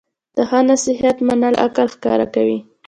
د ښه نصیحت منل عقل ښکاره کوي.